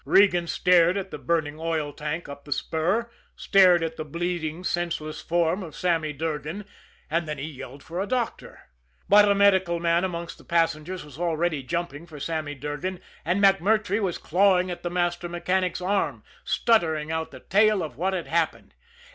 Regan stared at the burning oil tank up the spur, stared at the bleeding, senseless form of Sammy Durgan and then he yelled for a doctor. But a medical man amongst the passengers was already jumping for Sammy Durgan; and MacMurtrey was clawing at the master mechanic's arm, stuttering out the tale of what had happened.